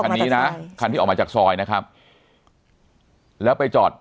คันที่ออกมาจากซอยคันที่ออกมาจากซอยนะครับแล้วไปจอด